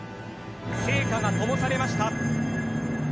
聖火がともされました。